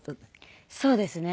そうですね。